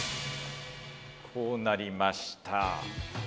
こうなりました。